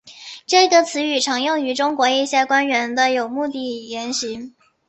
这个词语常用于中国一些官员的有目的言行。